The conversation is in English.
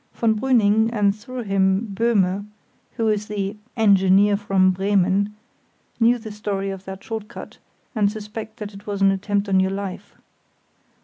Von Brüning, and through him Böhme (who is the "engineer from Bremen"), know the story of that short cut and suspect that it was an attempt on your life.